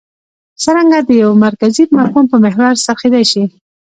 څرنګه د یوه مرکزي مفهوم پر محور څرخېدای شي.